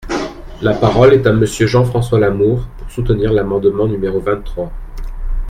La parole est à Monsieur Jean-François Lamour, pour soutenir l’amendement numéro vingt-trois.